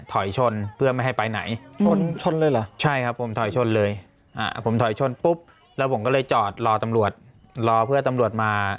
ถอยชนเพื่อไม่ให้ไปไหนชนเลยเหรอใช่ครับผมถอยชนเลย